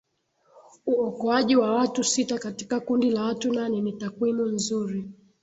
uokoaji wa watu sita katika kundi la watu nane ni takwimu nzuri